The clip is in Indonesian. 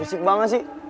risik banget sih